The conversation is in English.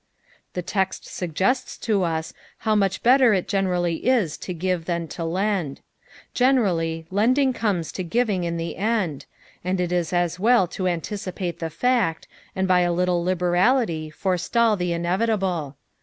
The text suggests to ua how much better it generally is to give than to lend. Qeneraily, lending comes to giving in the end, and it is as well to anticipate the fact, and by a little liber alily forestall the inevitable.